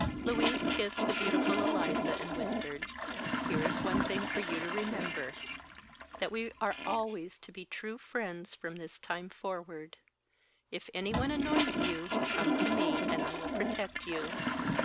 Louise kissed the beautiful Eliza and whispered: "Here is one thing for you to remember that we are always to be true friends, from this time forward. If anyone annoys you, come to me, and I will protect you."